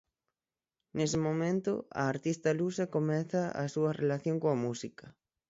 Nese momento, a artista lusa comeza a súa relación coa música.